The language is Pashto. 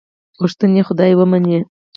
غوښتنې خدای ومني.